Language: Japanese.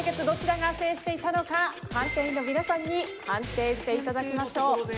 どちらが制していたのか判定員の皆さんに判定して頂きましょう。